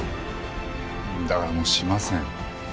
だからもうしません。